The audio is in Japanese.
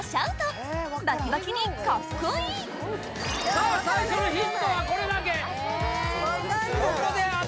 さあ最初のヒントはこれだけえ分かんない